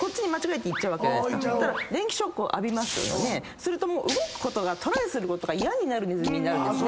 するともう動くことがトライすることが嫌になるネズミになるんですね。